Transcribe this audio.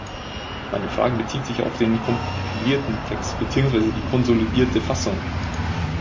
Meine Frage bezieht sich auf den kompilierten Text beziehungsweise die konsolidierte Fassung.